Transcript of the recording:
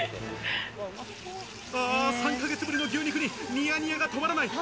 ３ヶ月ぶりの牛肉にニヤニヤが止まらない。